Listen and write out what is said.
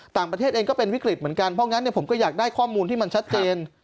ต่างประเทศเองก็เป็นวิกฤตเหมือนกันเพราะงั้นผมก็อยากได้ข้อมูลที่มันชัดเจน